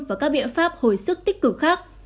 và các biện pháp hồi sức tích cực khác